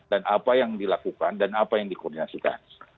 dan apa yang dilakukan dan apa yang dikoordinasikan